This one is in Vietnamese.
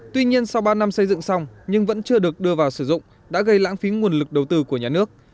tuy nhiên sau ba năm xây dựng xong nhưng vẫn chưa được đưa vào sử dụng đã gây lãng phí nguồn lực đầu tư của nhà nước